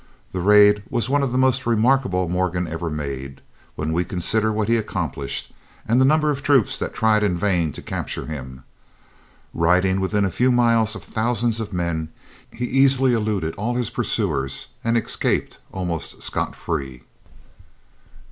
This raid was one of the most remarkable Morgan ever made, when we consider what he accomplished, and the number of troops that tried in vain to capture him. Riding within a few miles of thousands of men, he easily eluded all his pursuers and escaped almost scot free.